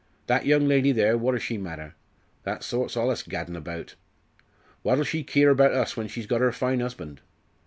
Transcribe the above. That young lady there, what do she matter? That sort's allus gaddin' about? What'll she keer about us when she's got 'er fine husband?